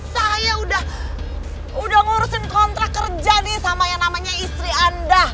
saya udah ngurusin kontrak kerja nih sama yang namanya istri anda